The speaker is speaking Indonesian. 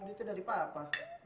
iya kan itu dari papa